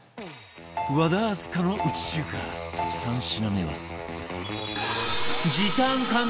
和田明日香のうち中華３品目は